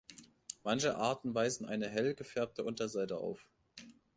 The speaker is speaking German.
Manche Arten weisen eine hell gefärbte Unterseite auf.